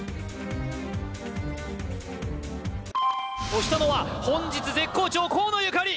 押したのは本日絶好調河野ゆかり